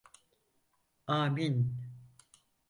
Âmin.